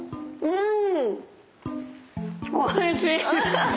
うん！